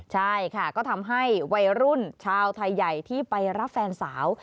ใช่ค่ะก็ทำให้วัยรุ่นชาวไทยใหญ่ที่ไปรับแฟนสาว